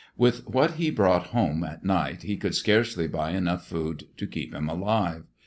With what he brought home at night he could scarcely buy enough food to keep him alive.